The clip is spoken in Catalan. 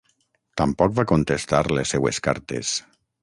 Tampoc va contestar les seues cartes.